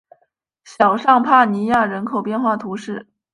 小尚帕尼亚人口变化图示